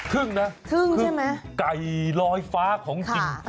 ทึ่งนะทึ่งไก่รอยฟ้าของจริง